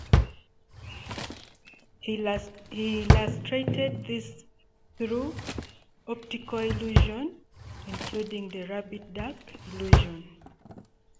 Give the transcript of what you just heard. He illustrated this through optical illusions, including the rabbit-duck illusion.